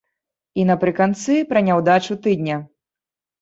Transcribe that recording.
І напрыканцы пра няўдачу тыдня.